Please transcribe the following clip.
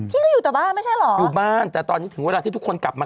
ฉันบอกหมอแล้วต่อไปนี้ฉันจะขอตรวจทุก๕วันเถอะ